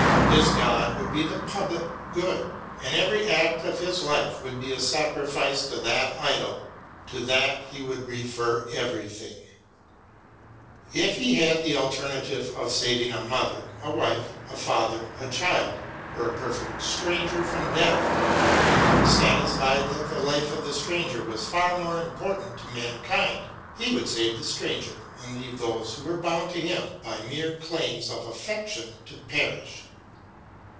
His God would be the public good, and every act of his life would be a sacrifice to that idol. To that he wou, ld refer everything. • Bk. VIIL 8t MARY WOLLSTONECRAFT 87 If he had the alternative of saving a mother, a wife, a father, a child, or a perfect stranger from death, and he were satisfied that the life of the stranger was of more importance to mankind, he would save the stranger and leave those who were bound to him by mere claims of affection to perish.